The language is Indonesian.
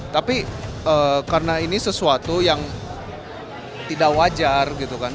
tapi karena ini sesuatu yang tidak wajar gitu kan